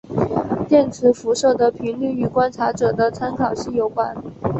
电磁辐射的频率与观察者的参考系有关。